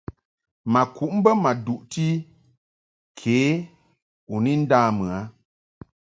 Ma kuʼ bə ma duʼti ke u ni nda mɨ a.